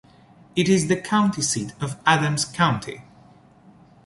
It is the county seat of Adams County.